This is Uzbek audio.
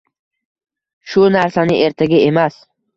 shu narsani ertaga emas